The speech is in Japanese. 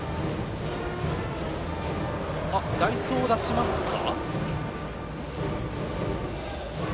代走を出しますか。